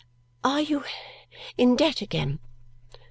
"Are you in debt again?"